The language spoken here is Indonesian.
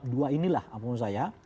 dua inilah menurut saya